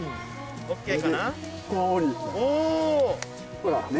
ほらね。